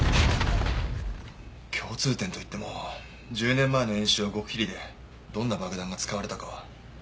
共通点といっても１０年前の演習は極秘裏でどんな爆弾が使われたかは。